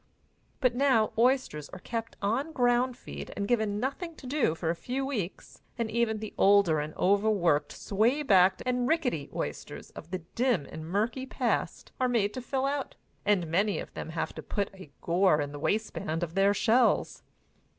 But now oysters are kept on ground feed and given nothing to do for a few weeks, and even the older and overworked sway backed and rickety oysters of the dim and murky past are made to fill out, and many of them have to put a gore in the waistband of their shells.